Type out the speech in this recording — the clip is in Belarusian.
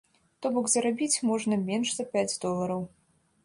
То бок зарабіць можна менш за пяць долараў.